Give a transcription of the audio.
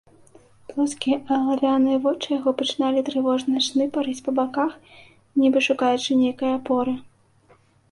Плоскія алавяныя вочы яго пачыналі трывожна шныпарыць па баках, нібы шукаючы нейкае апоры.